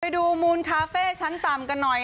ดูมูลคาเฟ่ชั้นต่ำกันหน่อย